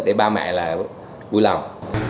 để ba mẹ là vui lòng